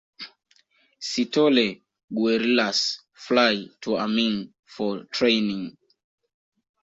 Sithole Guerrillas Fly to Amin for Training